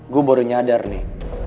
gue baru nyadar nih